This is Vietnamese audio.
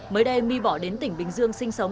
mới đây my bỏ đến tỉnh bình dương sinh sống